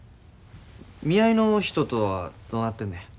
見合いの人とはどうなってんのや。